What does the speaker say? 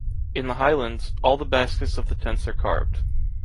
In the highlands, all the baskets of the tents are carved.